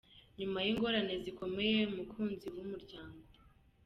Nyuma y’ingorane zikomeye umukunzi wa umuryango.